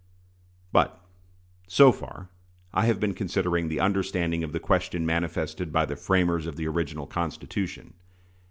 But, so far, I have been considering the understanding of the question manifested by the framers of the original Constitution.